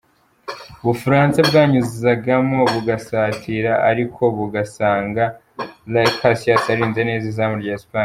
Ubufaransa bwanyuzagamo bugasatira ariko bugasanga Iker Casillas arinze neza izamu rya Espagne.